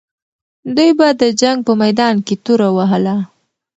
دوی به د جنګ په میدان کې توره وهله.